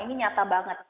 ini nyata banget